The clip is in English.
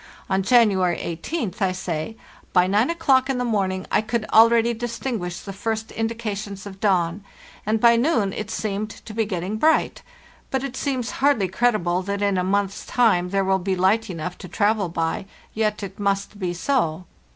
On January 18th I say: "By g o'clock in the morning I could already distinguish the first indications of dawn, and by noon it seemed to be getting bright; but it seems hardly credible that in a month's time there will be light enough to travel by, yet it must be so.